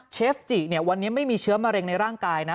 เชฟจิเนี่ยวันนี้ไม่มีเชื้อมะเร็งในร่างกายนะ